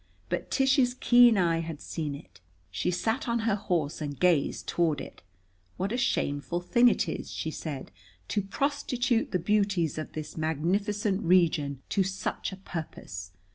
But Tish's keen eye had seen it. She sat on her horse and gazed toward it. "What a shameful thing it is," she said, "to prostitute the beauties of this magnificent region to such a purpose.